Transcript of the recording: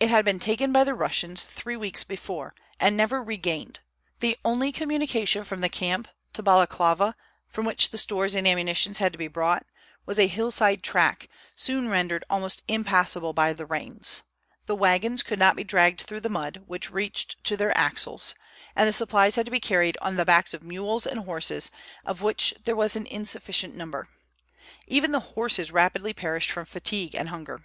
It had been taken by the Russians three weeks before, and never regained. The only communication from the camp to Balaklava, from which the stores and ammunition had to be brought, was a hillside track, soon rendered almost impassable by the rains. The wagons could not be dragged through the mud, which reached to their axles, and the supplies had to be carried on the backs of mules and horses, of which there was an insufficient number. Even the horses rapidly perished from fatigue and hunger.